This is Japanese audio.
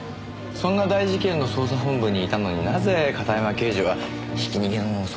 そんな大事件の捜査本部にいたのになぜ片山刑事はひき逃げの捜査を？